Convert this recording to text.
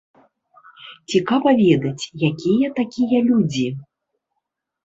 Цікава ведаць, якія такія людзі.